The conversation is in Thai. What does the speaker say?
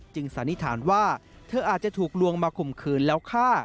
สันนิษฐานว่าเธออาจจะถูกลวงมาข่มขืนแล้วฆ่า